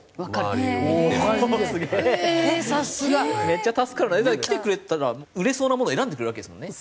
めっちゃ助かるな。来てくれたら売れそうなもの選んでくれるわけですもんね。